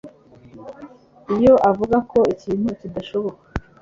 Iyo avuga ko ikintu kidashoboka